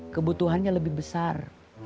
kebutuhannya lebih besar